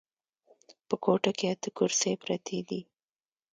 په کوټه کې اته کرسۍ پرتې دي.